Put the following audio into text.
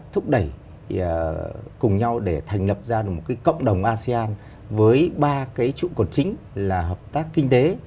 vấn đề thứ ba là asean trong năm mươi năm qua đã thúc đẩy cùng nhau để thành lập ra một cái cộng đồng asean với ba cái trụ cột chính là hợp tác kinh tế